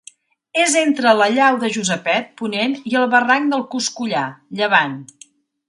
És entre la llau de Josepet -ponent- i el barranc del Coscollar -llevant.